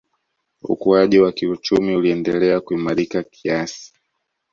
Ukuaji wa kiuchumi uliendelea kuimarika kiasi